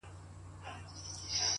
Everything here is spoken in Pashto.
• نه پوهیږي چي دی څوک دی د کوم قام دی ,